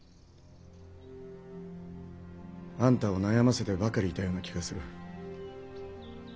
あんたを悩ませてばかりいたような気がする。